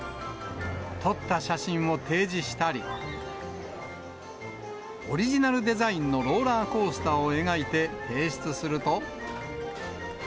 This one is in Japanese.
撮った写真を提示したり、オリジナルデザインのローラーコースターを描いて提出すると。